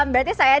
berarti saya catat